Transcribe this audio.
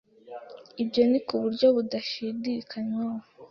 ibyo ni ku buryo budashidikanywaho